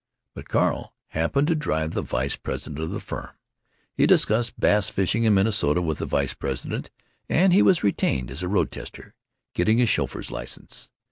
But Carl happened to drive the vice president of the firm. He discussed bass fishing in Minnesota with the vice president, and he was retained as road tester, getting his chauffeur's license.